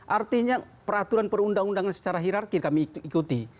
artinya peraturan perundang undangan secara hirarki kami ikuti